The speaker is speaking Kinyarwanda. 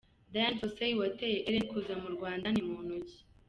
Dian Fossey wateye Ellen kuza mu Rwanda ni muntu ki ?.